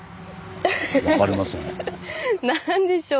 何でしょう？